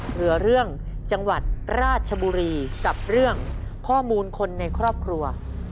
เหลือเรื่องจังหวัดราชบุรีกับเรื่องข้อมูลคนในครอบครัว